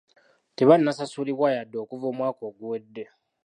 Tebannasasulibwa yadde okuva omwaka oguwedde.